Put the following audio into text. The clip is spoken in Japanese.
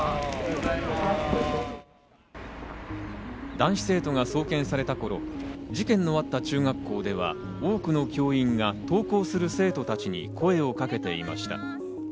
男子生徒が送検された頃、事件のあった中学校では多くの教員が登校する生徒たちに声をかけていました。